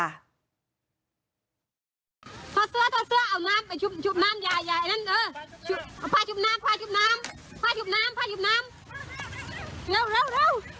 เร็ว